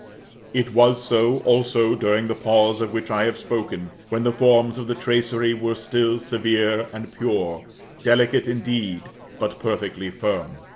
It was so, also, during the pause of which I have spoken, when the forms of the tracery were still severe and pure; delicate indeed, but perfectly firm.